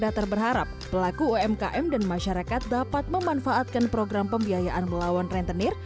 datar berharap pelaku umkm dan masyarakat dapat memanfaatkan program pembiayaan melawan rentenir